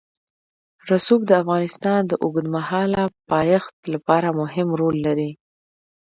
رسوب د افغانستان د اوږدمهاله پایښت لپاره مهم رول لري.